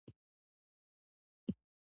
د ویښتو د تویدو د دوام لپاره باید څه وکړم؟